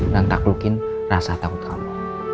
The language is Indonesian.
dan taklukin rasa takut kamu